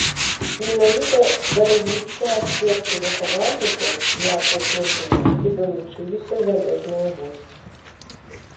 Менавіта да развіцця сеткі захавальнікаў для апошніх двух і далучыліся замежныя госці.